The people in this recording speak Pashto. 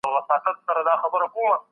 د سړي سر عايد د زياتوالي هڅي به دوام ولري.